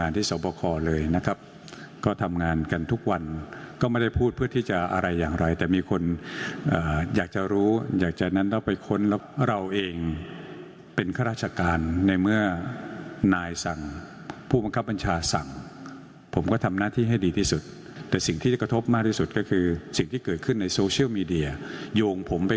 อ้าวฟังเสียงคุณหมอนิดนึงนะคะ